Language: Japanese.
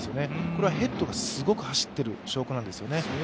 これはヘッドがすごく走っている証拠なんですよね。